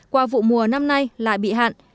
qua vụ mùa năm nay lại bị hạn